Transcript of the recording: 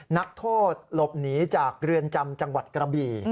นักโทษหลบหนีจากเรือนจำจังหวัดกระบี่